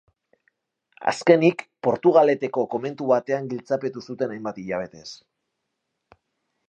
Azkenik, Portugaleteko komentu batean giltzapetu zuten hainbat hilabetez.